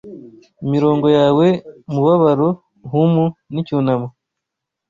imirongo yawe mubabaro humu N'icyunamo